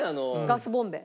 ガスボンベ。